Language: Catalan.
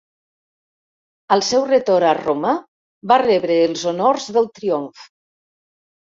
Al seu retorn a Roma va rebre els honors del triomf.